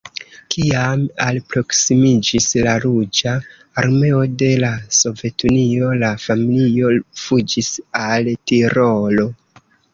Kiam alproksimiĝis la Ruĝa Armeo de la Sovetunio, la familio fuĝis al Tirolo.